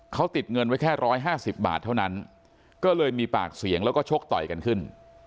เขาติดเงินไว้แค่๑๕๐บาทเท่านั้นก็เลยมีปากเสียงแล้วก็ชกต่อยกันขึ้น